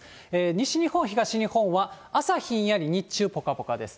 西日本、東日本は朝ひんやり、日中ぽかぽかです。